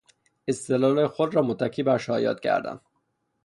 استدلالهای خود را متکی بر شایعات کردن